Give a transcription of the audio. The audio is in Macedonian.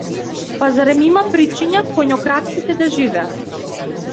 Па зарем има причина коњокрадците да живеат?